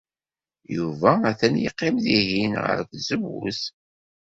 Yuba atan yeqqim dihin, ɣer tzewwut.